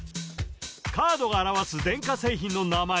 カードが表す電化製品の名前